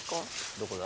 どこだ？